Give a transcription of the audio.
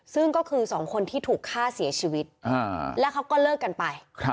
ซึ่งก็คือสองคนที่ถูกฆ่าเสียชีวิตแล้วเขาก็เลิกกันไป